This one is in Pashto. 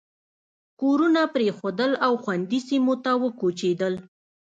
کورونه پرېښودل او خوندي سیمو ته وکوچېدل.